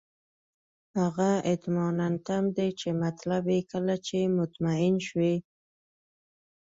هغه اطماننتم دی چې مطلب یې کله چې مطمئن شوئ.